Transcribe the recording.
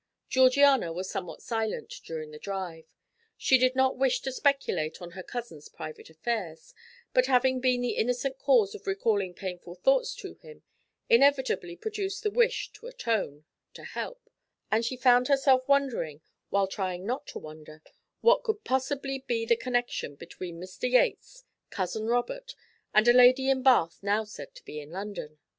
Georgiana was somewhat silent during the drive. She did not wish to speculate on her cousin's private affairs, but having been the innocent cause of recalling painful thoughts to him inevitably produced the wish to atone, to help; and she found herself wondering, while trying not to wonder, what could possibly be the connection between Mr. Yates, Cousin Robert and a lady in Bath now said to be in London.